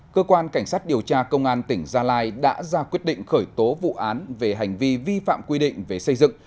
cơ quan cảnh sát điều tra công an tỉnh gia lai đã ra quyết định khởi tố vụ án về hành vi vi phạm quy định về xây dựng